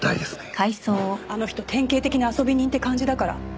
あの人典型的な遊び人って感じだから。